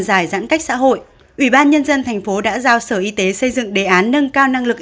giải giãn cách xã hội ủy ban nhân dân thành phố đã giao sở y tế xây dựng đề án nâng cao năng lực